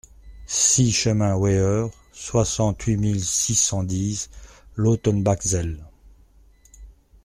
six chemin Weiher, soixante-huit mille six cent dix Lautenbachzell